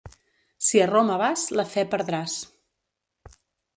Si a Roma vas la fe perdràs.